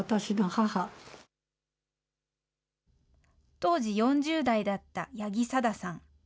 当時４０代だった八木さださん。